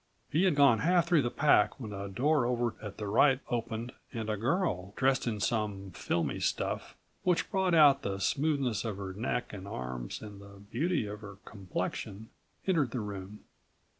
He had gone half through the pack when a door over at the right opened and a girl, dressed in some filmy stuff which brought out the smoothness of her neck and arms and the beauty of her complexion, entered the room.